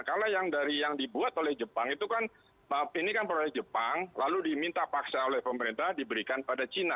kalau yang dibuat oleh jepang itu kan ini kan proyek jepang lalu diminta paksa oleh pemerintah diberikan pada china